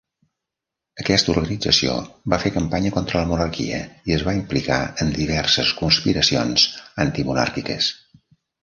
Aquesta organització va fer campanya contra la monarquia i es va implicar en diverses conspiracions antimonàrquiques.